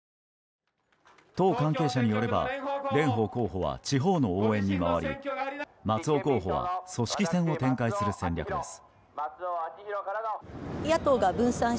党関係者によれば蓮舫候補は地方の応援に回り松尾候補は組織戦を展開する戦略です。